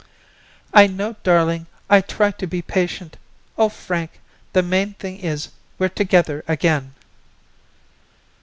"I know, darling, I try to be patient. Oh, Frank, the main thing is we're together again!"